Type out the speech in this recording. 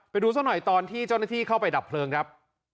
ไปดูซะหน่อยตอนที่เจ้าหน้าที่เข้าไปดับเพลิงครับ